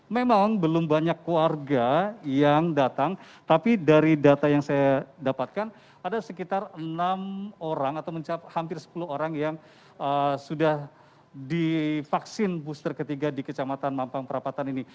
memang belum banyak warga yang datang tapi dari data yang saya dapatkan ada sekitar enam orang atau hampir sepuluh orang yang sudah divaksin booster ketiga di kecamatan mampang perapatan ini